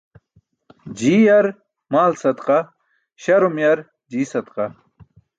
Jii yar maal sadaqa, śarum yar jii sadaqa.